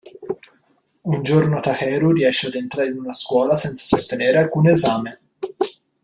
Un giorno Takeru riesce ad entrare in una scuola senza sostenere alcun esame.